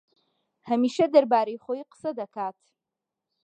ھەمیشە دەربارەی خۆی قسە دەکات.